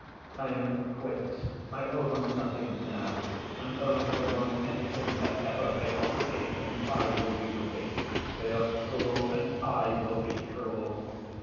I am quits, I owe them nothing now, and owe no one anything for ever. They are wicked and I will be wicked. They are cruel and I will be cruel.